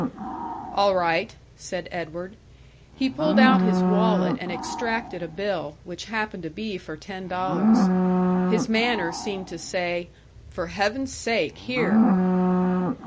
"All right," said Edward. He pulled out his wallet and extracted a bill, which happened to be for ten dollars. His manner seemed to say, "For heaven's sake, here!"